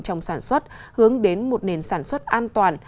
trong sản xuất hướng đến một nền sản xuất an toàn